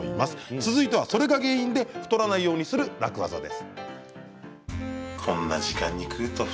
続いてはそれが原因で太らないようにする楽ワザです。